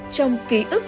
trong ký ức